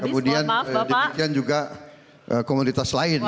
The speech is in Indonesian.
kemudian juga komoditas lain